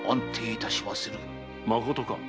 まことか？